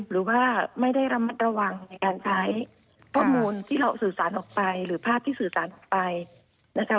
หรือว่าไม่ได้ระมัดระวังในการใช้ข้อมูลที่เราสื่อสารออกไปหรือภาพที่สื่อสารออกไปนะคะ